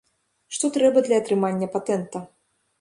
Што трэба для атрымання патэнта?